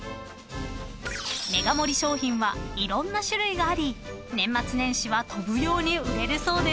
［ＭＥＧＡ盛り商品はいろんな種類があり年末年始は飛ぶように売れるそうです］